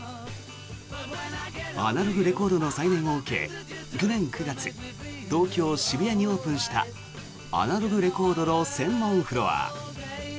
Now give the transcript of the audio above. アナログレコードの再燃を受け去年９月東京・渋谷にオープンしたアナログレコードの専門フロア。